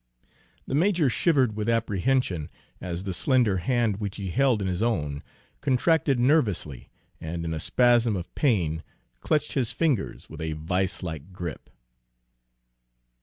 The major shivered with apprehension as the slender hand which he held in his own contracted nervously and in a spasm of pain clutched his fingers with a viselike grip.